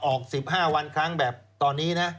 ออก๑๕วันครั้งแบบตอนนี้นะ